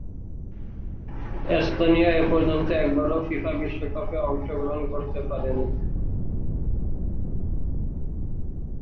Estonia এপর্যন্ত একবারও FIFA বিশ্বকাপে অংশগ্রহণ করতে পারেনি।